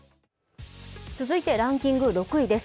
続いてランキング６位です。